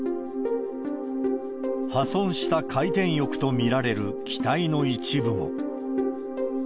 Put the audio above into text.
破損した回転翼と見られる機体の一部も。